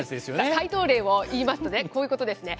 解答例を言いますとね、こういうことですね。